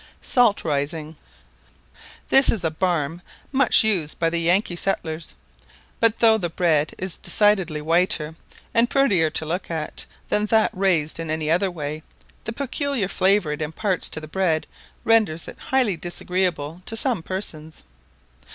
SALT RISING. This is a barm much used by the Yanky settlers; but though the bread is decidedly whiter, and prettier to look at, than that raised in any other way, the peculiar flavour it imparts to the bread renders it highly disagreeable to some persons.